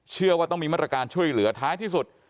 เชื่อว่าต้องมีมาตรการช่วยเหลือท้ายที่สุด